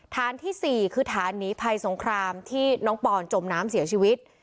ที่๔คือฐานหนีภัยสงครามที่น้องปอนจมน้ำเสียชีวิต